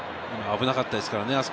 今、危なかったですからね。